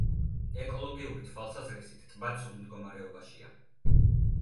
ეკოლოგიური თვალსაზრისით ტბა ცუდ მდგომარეობაშია.